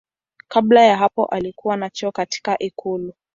Kabla ya hapo alikuwa na cheo katika ikulu.